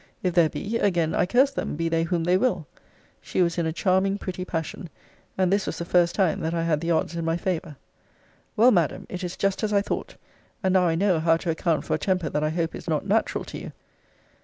If there be, again I curse them, be they whom they will. She was in a charming pretty passion. And this was the first time that I had the odds in my favour. Well, Madam, it is just as I thought. And now I know how to account for a temper that I hope is not natural to you.